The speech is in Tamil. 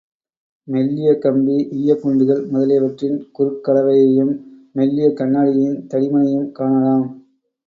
மெல்லிய கம்பி, ஈயக்குண்டுகள் முதலியவற்றின் குறுக் களவையும் மெல்லிய கண்ணாடியின் தடிமனையும் காணலாம்.